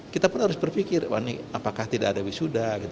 kita pun harus berpikir apakah tidak ada wisuda